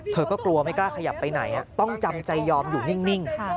เธอก็กลัวไม่กล้าขยับไปไหนต้องจำใจยอมอยู่นิ่ง